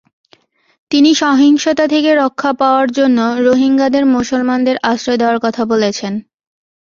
তিনি সহিংসতা থেকে রক্ষা পাওয়ার জন্য রোহিঙ্গাদের মুসলমানদের আশ্রয় দেওয়ার কথা বলেছেন।